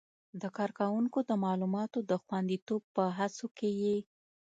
د کاروونکو د معلوماتو د خوندیتوب په هڅو کې یې